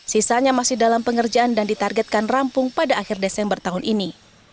sisanya masih dalam pengerjaan dan ditargetkan rampung pada akhir desember tahun ini